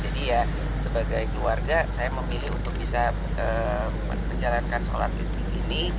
jadi ya sebagai keluarga saya memilih untuk bisa menjalankan sholat di sini